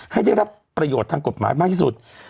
ให้ได้รับประโยชน์ทางกฎหมายมากที่สุด